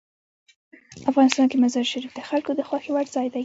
افغانستان کې مزارشریف د خلکو د خوښې وړ ځای دی.